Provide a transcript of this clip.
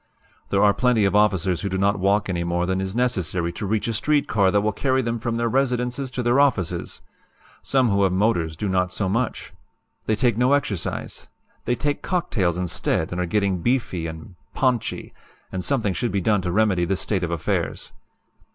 "There are plenty of officers who do not walk any more than is necessary to reach a street car that will carry them from their residences to their offices. Some who have motors do not do so much. They take no exercise. They take cocktails instead and are getting beefy and 'ponchy,' and something should be done to remedy this state of affairs.